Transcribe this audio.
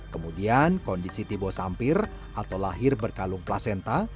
kemudian kondisi tibosampir atau lahir berkalung placenta